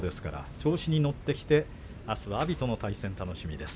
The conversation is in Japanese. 調子に乗ってきて、あすは阿炎との対戦が楽しみです。